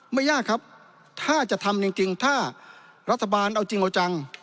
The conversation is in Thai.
ไม่ยากครับถ้าจะทำจริงถ้ารัฐบาลเอาจริงเอาจัง